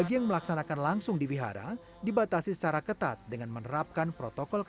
diimbau agar mengurangi aktivitas peribadatan yang bersifat massal